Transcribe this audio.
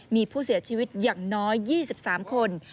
มีผู้เสียชีวิตอย่างน้อย๒๓คน